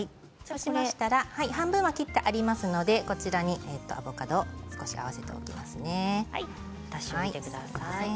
半分は切ってありますのでこちらに、アボカド合わせておきますね。